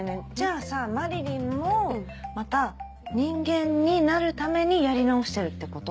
あさまりりんもまた人間になるためにやり直してるってこと？